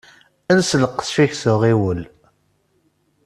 Els lqecc-ik s uɣiwel.